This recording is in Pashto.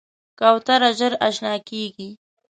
کوتره ژر اشنا کېږي.